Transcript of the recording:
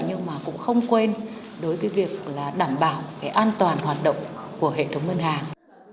nhưng mà cũng không quên đối với cái việc là đảm bảo cái an toàn hoạt động của hệ thống ngân hàng